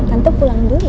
tante pulang dulu ya